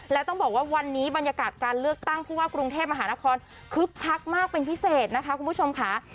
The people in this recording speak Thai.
และต้องบอกว่าวันนี้บรรยากาศการเลือกตั้งผู้ว่ากรุงเทพมหานครคึกคักมากเป็นพิเศษนะคะคุณผู้ชมค่ะ